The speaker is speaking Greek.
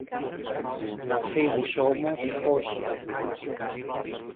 Να φύγεις όμως, όχι!